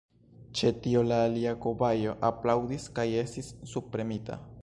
Ĉe tio la alia kobajo aplaŭdis kaj estis subpremita.